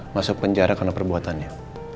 masuk penjara karena perbuatannya